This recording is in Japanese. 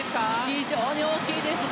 非常に大きいですね。